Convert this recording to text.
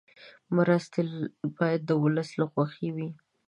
مرستې باید د ولس له خوښې وي.